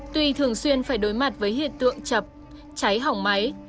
tuy thường xuyên phải đối mặt với hiện tượng chập cháy hỏng máy